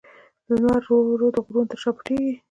لمر ورو ورو د غرونو تر شا پټېږي.